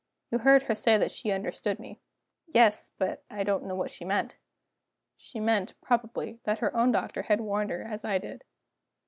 You heard her say that she understood me." "Yes; but I don't know what she meant." "She meant, probably, that her own doctor had warned her as I did."